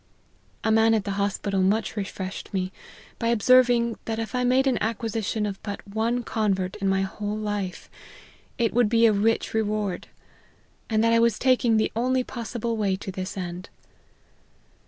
A man at the hospital much refreshed me, by ob serving, that if I made an acquisition of but one convert in my whole life, it would be a rich re ward ; and that I was taking the only possible way to this end."